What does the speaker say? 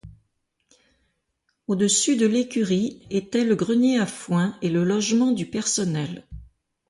Au-dessus de L'écurie était le grenier à foin et le logement du personnel.